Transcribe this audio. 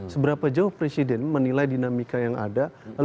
seberapa jauh presiden menilai dinamika yang ada